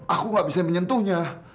aku gak bisa menyentuhnya